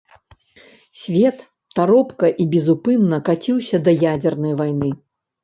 Свет таропка і безупынна каціўся да ядзернай вайны.